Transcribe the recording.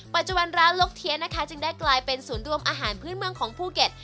ปัจจุบันร้านลกเทียนนะคะจึงได้กลายเป็นศูนย์รวมอาหารพื้นเมืองของภูเก็ต